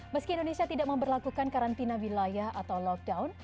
meski indonesia tidak memperlakukan karantina wilayah atau lockdown